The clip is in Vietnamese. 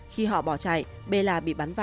khi họ bỏ chạy bela bị bắn